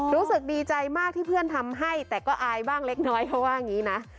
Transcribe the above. รู้สึกดีใจมากที่เพื่อนทำให้แต่ก็อายบ้างเล็กน้อยเขาว่าอย่างนี้นะ